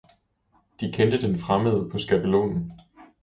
De kendte den fremmede på skabelonen.